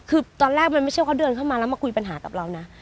คือตอนแรกมันไม่ใช่เขาเดินเข้ามาแล้วมาคุยปัญหากับเรานะ